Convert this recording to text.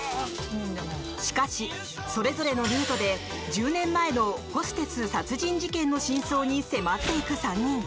しかし、それぞれのルートで１０年前のホステス殺人事件の真相に迫っていく３人。